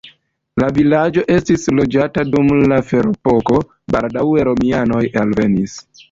La vilaĝo estis loĝata dum la ferepoko, baldaŭe romianoj alvenis.